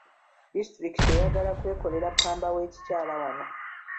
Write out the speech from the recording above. Disitulikiti eyagala kwekolera ppamba w'ekikyala wano.